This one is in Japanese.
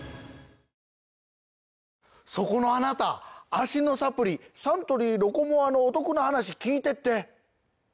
脚のサプリサントリー「ロコモア」のお得な話聞いてって！